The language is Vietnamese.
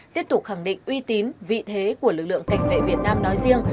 tiếp tục khẳng định uy tín vị thế của lực lượng cảnh vệ việt nam nói riêng